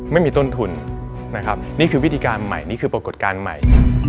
ไม่มีต้นทุนนะครับนี่คือวิธีการใหม่นี่คือปรากฏการณ์ใหม่